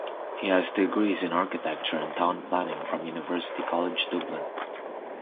He has degrees in architecture and town planning from University College Dublin.